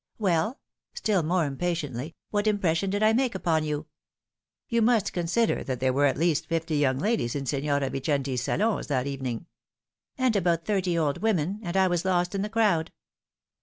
"Well," still more impatiently," what impression did I make upon you." " You must consider that there were at least fifty young ladies in Signora Vicenti's salons that evening." " And about thirty old women ; and I was lost in the crowd."